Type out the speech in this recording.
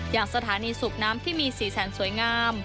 อย่างสถานีสูบน้ำที่มีสีสันสวยงาม